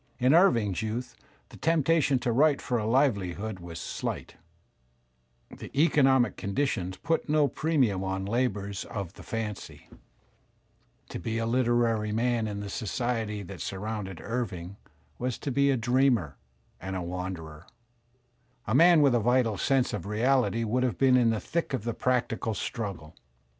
In Irving's youth the temptation to write for a livelihood was slight; the economic conditions put no"^ premium on labours of Digitized by Google U THE SPIRIT OP AMERICAN LITERATURE the fanqy. To be a literary man in the society that sur rounded Irving was to be a dreamer and wanderer. A man with a vital sense of reality would have been in the thick of the practical struggle.